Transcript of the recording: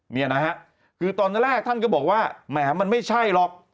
เนี่ยนะฮะคือตอนแรกท่านก็บอกว่าแหมมันไม่ใช่หรอก